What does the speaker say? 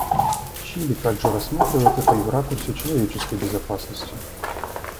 Чили также рассматривает это и в ракурсе человеческой безопасности.